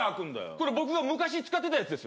これ僕が昔使ってたやつです